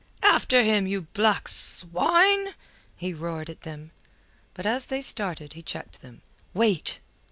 "After him, you black swine!" he roared at them. But as they started he checked them. "Wait!